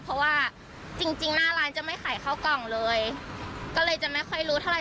เพราะว่าจริงจริงหน้าร้านจะไม่ขายข้าวกล่องเลยก็เลยจะไม่ค่อยรู้เท่าไห